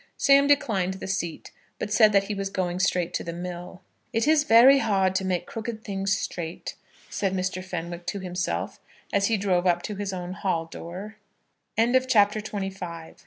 Sam declined the seat, but said that he was going straight to the mill. "It is very hard to make crooked things straight," said Mr. Fenwick to himself as he drove up to his own hall door. CHAPTER XXVI. THE TURNOVER CORRESPONDENCE.